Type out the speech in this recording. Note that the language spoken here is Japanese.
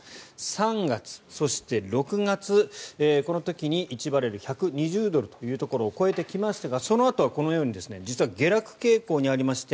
３月、そして６月この時に１バレル＝１２０ドルというところを超えてきましたが、そのあとはこのように下落傾向にありまして